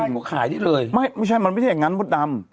ไม่มันไม่ใช่อย่างงั้นบดดำ